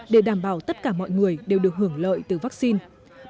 để đảm bảo tất cả mọi người đều được hưởng lợi từ vaccine